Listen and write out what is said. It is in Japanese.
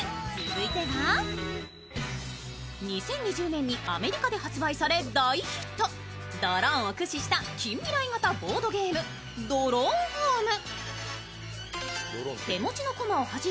続いては２０２０年にアメリカで発売され大ヒット、ドローンを駆使した近未来型ボードゲーム「ドローンホーム」。